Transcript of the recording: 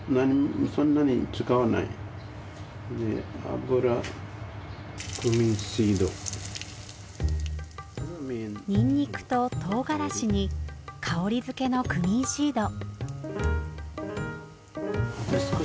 油にんにくととうがらしに香りづけのクミンシード。